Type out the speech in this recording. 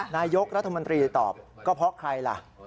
นายกรัฐมนตรีตอบก็เพราะใครล่ะ